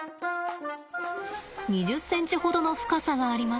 ２０センチほどの深さがあります。